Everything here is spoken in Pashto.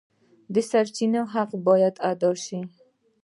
د سرچینې حق باید ادا شي.